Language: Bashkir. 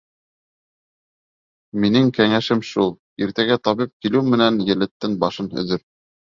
Минең кәңәшем шул: иртәгә табип килеү менән йәлләттән башын өҙҙөр.